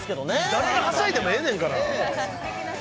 誰がはしゃいでもええねんから。